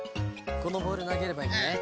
このボールなげればいいのね。